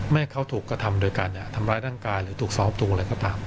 ให้เขาถูกกระทำโดยการทำร้ายร่างกายหรือถูกซ้อมถูกอะไรก็ตาม